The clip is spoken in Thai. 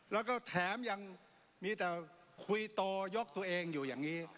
แล้วก็แถมยังมีแต่คุยโตยกตัวเองอยู่อย่างนี้